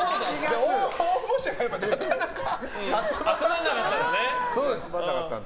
応募者がなかなか集まらなかったんですよ。